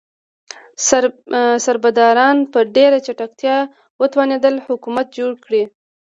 سربداران په ډیره چټکتیا وتوانیدل حکومت جوړ کړي.